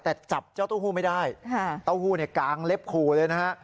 แต่จับเจ้าเต้าหู้ไม่ได้เต้าหู้เนี่ยกางเล็บขู่เลยนะฮะ